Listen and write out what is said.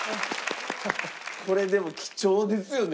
これでも貴重ですよね。